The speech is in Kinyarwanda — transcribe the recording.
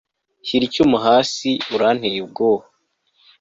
Shyira icyuma hasi Uranteye ubwoba